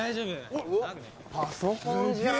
おっパソコンじゃん